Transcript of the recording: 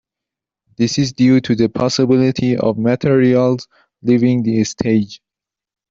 This is due to the possibility of materials leaving the stage.